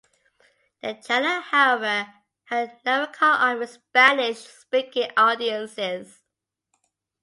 The channel however had never caught on with Spanish speaking audiences.